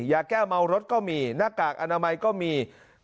ยาแก้วเมารถก็มีหน้ากากอนามัยก็มี